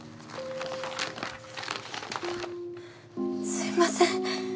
すいません。